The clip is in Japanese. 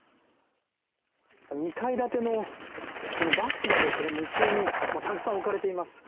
２階建てのバスが無数にたくさん置かれています。